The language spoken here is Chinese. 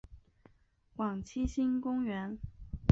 往七星公园